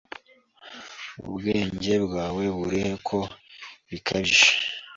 Ubwenge bwawe burihe ko bikabije?